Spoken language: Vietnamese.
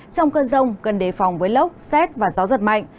trong cơn rông cần đề phòng với lốc xét và gió giật mạnh